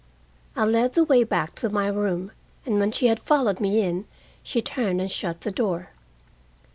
I led the way back to my room, and when she had followed me in, she turned and shut the door.